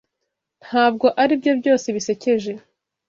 Ntabwo aribyo byose bisekeje.